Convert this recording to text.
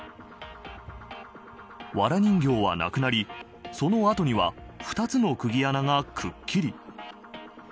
わら人形はなくなりその辺りは２つのくぎ穴がくっきり。